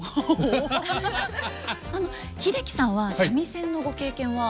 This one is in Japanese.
英樹さんは三味線のご経験は？